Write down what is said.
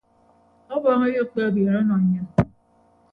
Ọbọñ eyekpe ebiere ọnọ nnyịn.